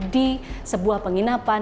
di sebuah penginapan